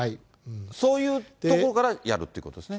そういうところからやるってことですね。